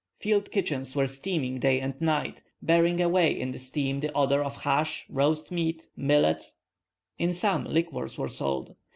Field kitchens were steaming day and night, bearing away in the steam the odor of hash, roast meat, millet; in some liquors were sold.